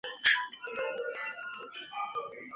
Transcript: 破坏者尚未被捕。